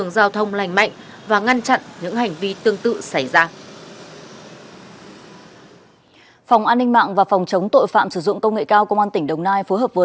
đã ra lệnh tạm giữ hình sự